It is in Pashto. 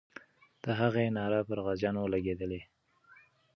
د هغې ناره پر غازیانو لګېدلې.